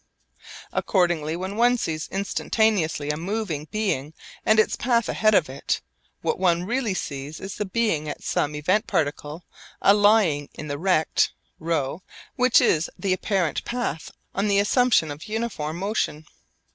Accordingly when one sees instantaneously a moving being and its path ahead of it, what one really sees is the being at some event particle A lying in the rect ρ which is the apparent path on the assumption of uniform motion.